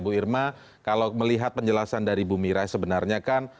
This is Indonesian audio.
bu irma kalau melihat penjelasan dari bu mira sebenarnya kan